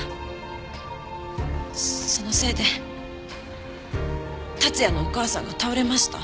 そのせいで達也のお母さんが倒れました。